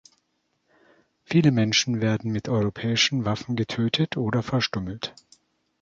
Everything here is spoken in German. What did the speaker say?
Viele Menschen werden mit europäischen Waffen getötet oder verstümmelt.